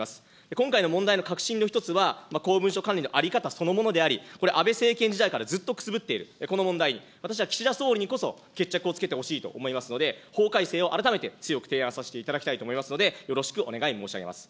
今回の問題の核心の一つは、公文書管理の在り方そのものであり、これ、安倍政権時代からずっとくすぶっているこの問題、私は岸田総理にこそ決着をつけてほしいと思いますので、法改正を改めて強く提案させていただきたいと思いますので、よろしくお願い申し上げます。